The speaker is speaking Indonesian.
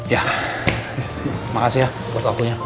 ya makasih ya buat akunya